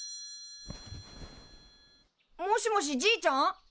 ☎もしもしじいちゃん？